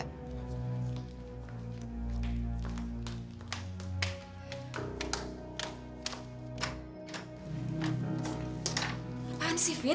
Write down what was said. apaan sih vin